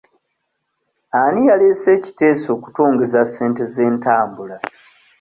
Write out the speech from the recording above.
Ani yaleese ekiteeso okutwongeza ssente z'entambula?